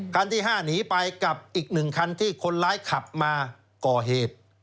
คันที่๕หนีไปกับอีก๑คันที่คนร้ายขับมาก่อเหตุ